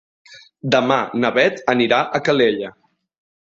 Demà na Beth anirà a Calella.